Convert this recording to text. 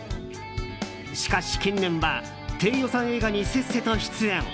しかし、近年は低予算映画にせっせと出演。